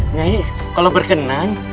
nyai kalau berkenan